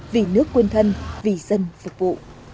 vì nước quân thân vì dân phục vụ